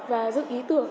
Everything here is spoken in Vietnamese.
và dự ý tưởng